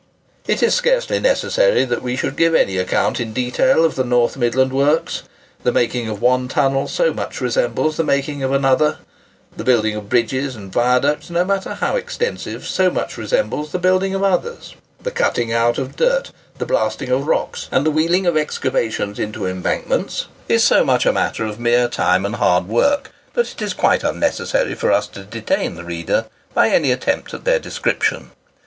It is scarcely necessary that we should give any account in detail of the North Midland works. The making of one tunnel so much resembles the making of another,—the building of bridges and viaducts, no matter how extensive, so much resembles the building of others,—the cutting out of "dirt," the blasting of rocks, and the wheeling of excavation into embankments, is so much a matter of mere time and hard work,—that is quite unnecessary for us to detain the reader by any attempt at their description.